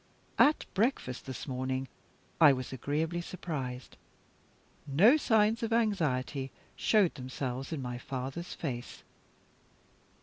At breakfast this morning I was agreeably surprised. No signs of anxiety showed themselves in my father's face.